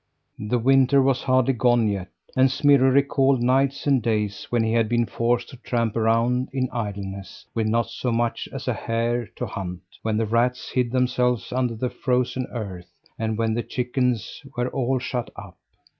The winter was hardly gone yet, and Smirre recalled nights and days when he had been forced to tramp around in idleness, with not so much as a hare to hunt, when the rats hid themselves under the frozen earth; and when the chickens were all shut up.